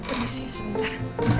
terus ya sebentar